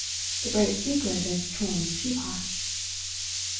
The great secret is to warm the teapot."